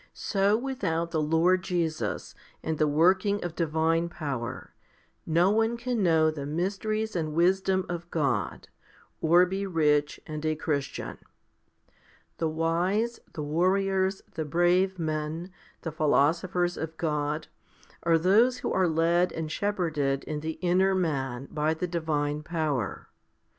So without the Lord Jesus, and the working of divine power, no one can know the mysteries and wisdom of God, or be rich and a Christian. The wise, the warriors, the brave men, the philosophers of God, are those who are led and shepherded in the inner man by the divine power.